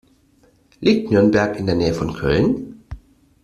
Liegt Nürnberg in der Nähe von Köln?